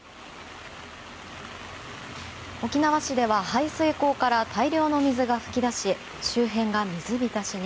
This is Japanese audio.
沖縄市では排水溝から大量の水が噴き出し周辺が水浸しに。